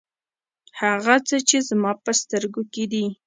هغه څه چې زما په سترګو کې دي.